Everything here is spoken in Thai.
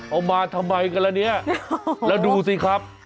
เอามาทำไมกันละเนี่ยแล้วดูสิครับ